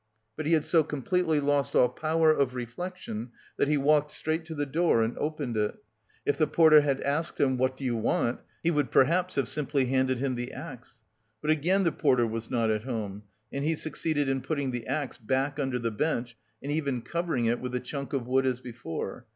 But he had so completely lost all power of reflection that he walked straight to the door and opened it. If the porter had asked him, "What do you want?" he would perhaps have simply handed him the axe. But again the porter was not at home, and he succeeded in putting the axe back under the bench, and even covering it with the chunk of wood as before.